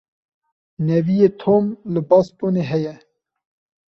Neviyê Tom li Bostonê heye.